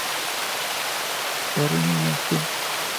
Эг мун 'No fui'.